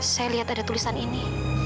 saya lihat ada tulisan ini